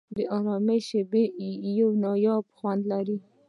د آرامۍ شېبې یو نایابه خوند لري.